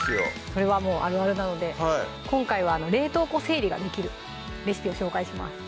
それはもうあるあるなので今回は冷凍庫整理ができるレシピを紹介します